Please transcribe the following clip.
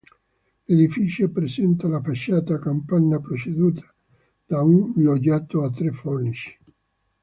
L'edificio presenta la facciata a capanna preceduta da un loggiato a tre fornici.